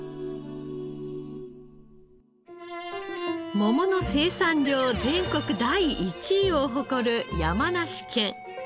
桃の生産量全国第１位を誇る山梨県。